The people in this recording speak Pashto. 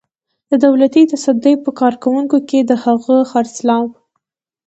د دولتي تصدۍ په کارکوونکو د هغه خرڅلاو.